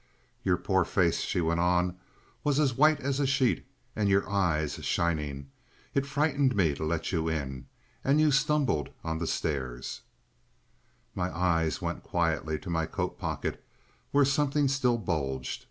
"Your poor face," she went on, "was as white as a sheet and your eyes shining. ... It frightened me to let you in. And you stumbled on the stairs." My eyes went quietly to my coat pocket, where something still bulged.